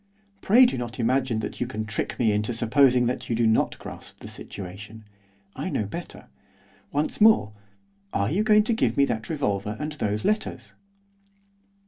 Pray do not imagine that you can trick me into supposing that you do not grasp the situation. I know better. Once more, are you going to give me that revolver and those letters?